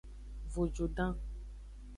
Vojudan.